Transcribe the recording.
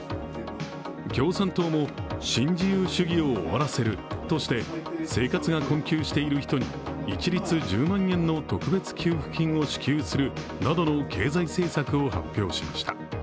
共産党も新自由主義を終わらせるとして生活が困窮している人に一律１０万円の特別給付金を支給するなどの経済政策を発表しました。